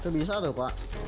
itu bisa tuh pak